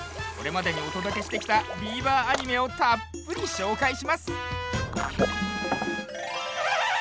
これまでにおとどけしてきたビーバーアニメをたっぷりしょうかいします！